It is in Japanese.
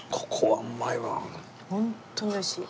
ホントに美味しい。